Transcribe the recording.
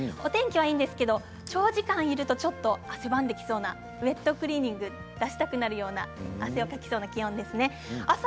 お天気はいいですが長時間いると汗ばんできそうなウエットクリーニングがしたくなるような汗をかきそうな気温ですね。